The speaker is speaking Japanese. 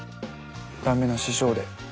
駄目な師匠で。